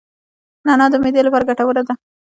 نعناع د معدې لپاره ګټوره ده